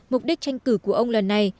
mục đích tranh cử của ông lần này